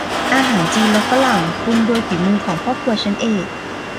อาหารจีนและฝรั่ง ปรุงโดยฝีมือของพ่อครัวชั้นเอก